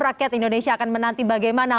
rakyat indonesia akan menanti bagaimana